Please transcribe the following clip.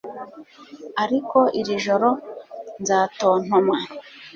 ariko iri joro nzatontoma